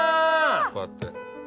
こうやって。